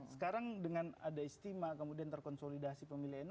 sekarang dengan ada istimewa kemudian terkonsolidasi pemilih nu